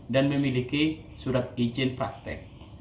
dan memiliki surat izin praktek